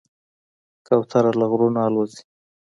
کوتره له غرونو الوزي.